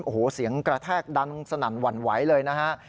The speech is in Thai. โอ้โหเสียงกระแทกดังสนั่นหวั่นไหวเลยนะฮะ